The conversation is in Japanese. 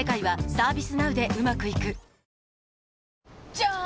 じゃーん！